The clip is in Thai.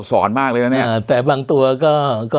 สอนมากเลยแต่บางตัวก็